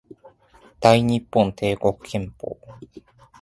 大日本帝国憲法